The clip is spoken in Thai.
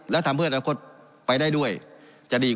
การปรับปรุงทางพื้นฐานสนามบิน